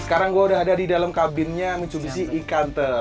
sekarang gua udah ada di dalam kabinnya mitsubishi e conter